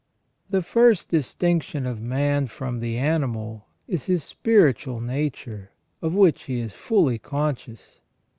The first distinction of man from the animal is his spiritual nature, of which he is fully conscious.